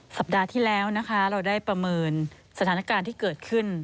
สัปดาห์ที่แล้วนะคะเราได้ประเมินสถานการณ์ที่เกิดขึ้น